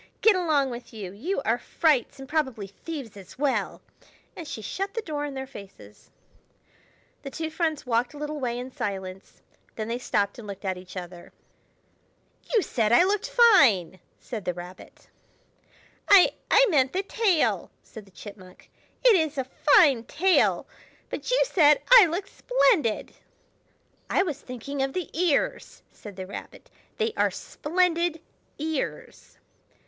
Get along with you! You are frights, and probably thieves as well." And she shut the door in their faces. The two friends walked a little way in silence; then they stopped and looked at each other. "You said I looked fine!" said the Rabbit. "I—I meant the tail!" said the Chipmunk. "It is a fine tail. But you said I looked splendid!" "I was thinking of the ears!" said the Rabbit. "They are splendid ears."